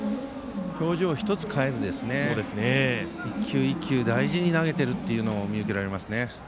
表情一つ変えず１球１球大事に投げているのが見受けられますね。